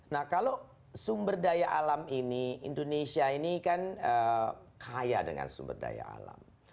nah kalau sumber daya alam ini indonesia ini kan kaya dengan sumber daya alam